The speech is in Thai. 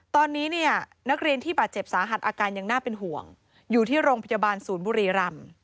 ตอนนี้เนี่ยนักเรียนที่บาดเจ็บสาหัสอาการยังน่าเป็นห่วงอยู่ที่โรงพยาบาลศูนย์บุรีรำ